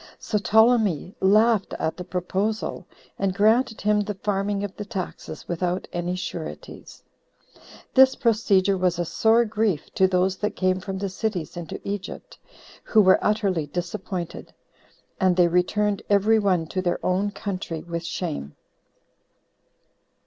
So Ptolemy laughed at the proposal, and granted him the farming of the taxes without any sureties. This procedure was a sore grief to those that came from the cities into Egypt, who were utterly disappointed; and they returned every one to their own country with shame.